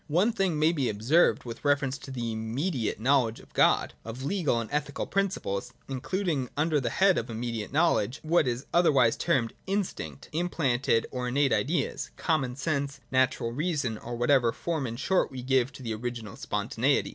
67.] One thing may be observed with reference to the immediate knowledge of God, of legal and ethical principles (including under the head of immediate know ledge, what is otherwise termed Instinct, Implanted or Innate Ideas, Common Sense, Natural Reason, or whatever form, in short, we give to the original spon taneity).